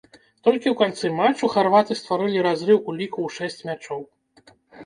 Толькі ў канцы матчу харваты стварылі разрыў у ліку ў шэсць мячоў.